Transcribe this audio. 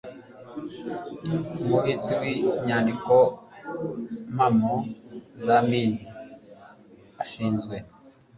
Umubitsi w Inyandikompamo za Mine ashinzwe